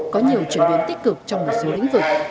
có nhiều chuyển biến tích cực trong một số lĩnh vực